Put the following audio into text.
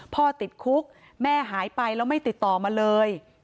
ติดคุกแม่หายไปแล้วไม่ติดต่อมาเลย